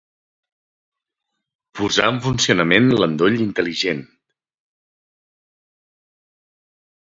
Posar en funcionament l'endoll intel·ligent.